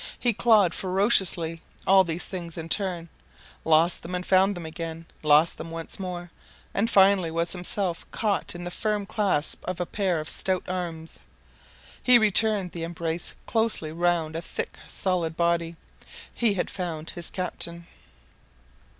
He clawed ferociously all these things in turn, lost them, found them again, lost them once more, and finally was himself caught in the firm clasp of a pair of stout arms. He returned the embrace closely round a thick solid body. He had found his captain.